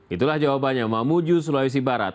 itulah jawabannya mamuju sulawesi barat